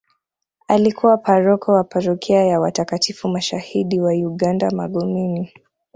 Alikuwa paroko wa parokia ya watakatifu mashahidi wa uganda Magomeni